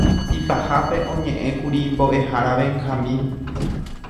Ipahápe oñe'ẽkuri mbo'ehára Benjamín